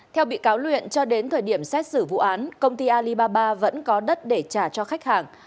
theo bị cáo luyện cho đến thời điểm xét xử vụ án công ty alibaba vẫn có đất để trả cho khách hàng